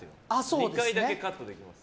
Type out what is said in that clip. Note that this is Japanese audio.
２回だけカットできます。